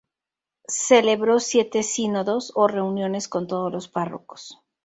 Celebró siete sínodos o reuniones con todos los párrocos.